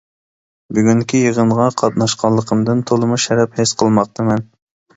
بۈگۈنكى يىغىنغا قاتناشقانلىقىمدىن تولىمۇ شەرەپ ھېس قىلماقتىمەن.